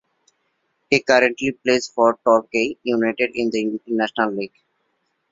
He currently plays for Torquay United in the National League.